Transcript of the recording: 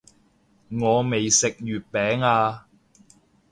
我未食月餅啊